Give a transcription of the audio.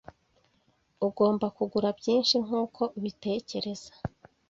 Ugomba kugura byinshi nkuko ubitekereza